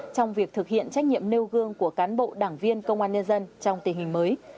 trong việc thực hiện trách nhiệm nêu gương của cán bộ đảng viên công an nhân dân trong tình hình mới